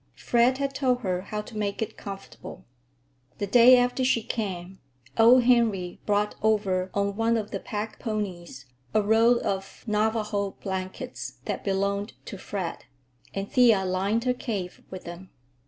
Fred had told her how to make it comfortable. The day after she came old Henry brought over on one of the pack ponies a roll of Navajo blankets that belonged to Fred, and Thea lined her cave with them.